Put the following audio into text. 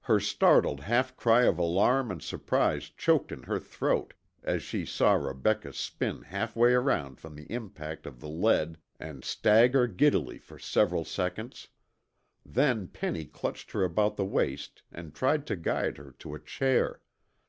Her startled half cry of alarm and surprise choked in her throat as she saw Rebecca spin halfway around from the impact of the lead and stagger giddily for several seconds. Then Penny clutched her about the waist and tried to guide her to a chair.